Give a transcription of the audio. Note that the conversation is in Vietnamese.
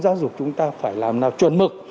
giáo dục chúng ta phải làm nào chuẩn mực